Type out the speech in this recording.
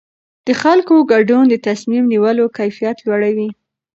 د خلکو ګډون د تصمیم نیولو کیفیت لوړوي